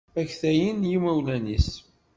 Aktayen n yimawlan-is.